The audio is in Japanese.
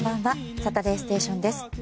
「サタデーステーション」です。